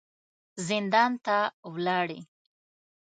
زندان ته ولاړې.